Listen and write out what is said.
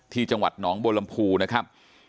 ที่จังหวัดหนองบัวลำพูนะครับ